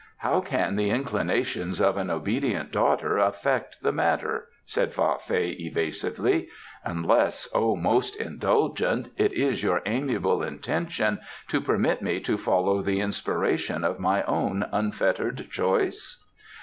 "How can the inclinations of an obedient daughter affect the matter?" said Fa Fei evasively. "Unless, O most indulgent, it is your amiable intention to permit me to follow the inspiration of my own unfettered choice?"